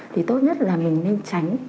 thì tốt nhất là mình nên tránh